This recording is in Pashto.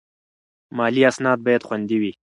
مالي اسناد باید خوندي وي.